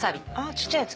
小っちゃいやつ。